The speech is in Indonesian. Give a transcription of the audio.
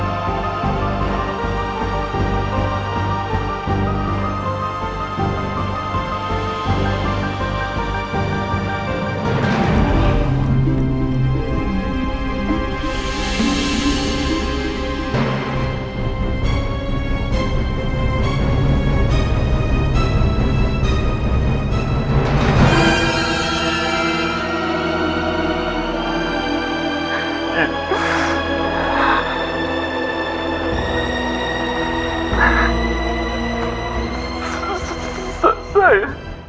adalah rusa alfari